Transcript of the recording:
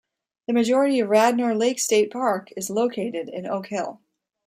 The majority of Radnor Lake State Park is located in Oak Hill.